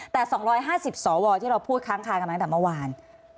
แต่๒๕๐สวที่เราพูดค้างคากันมาตั้งแต่เมื่อวาน